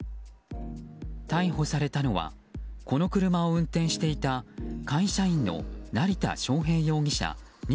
逮捕されたのはこの車を運転していた会社員の成田尚平容疑者